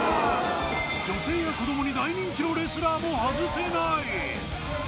女性や子どもに大人気のレスラーも外せない。